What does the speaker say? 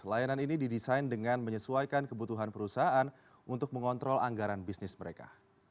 layanan ini didesain dengan menyesuaikan kebutuhan perusahaan untuk mengontrol anggaran bisnis mereka